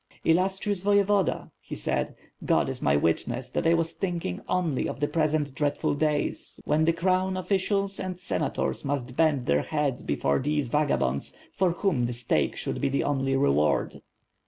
"Illustrious Voyevoda," he said, "God is my witness that I was thinking only of the present dreadful days; when the crown officials and senators must bend their heads before these vagabonds, for whom the stake should be the only re ward."